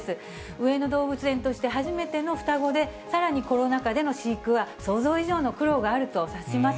上野動物園として初めての双子で、さらにコロナ禍での飼育は、想像以上の苦労があると察します。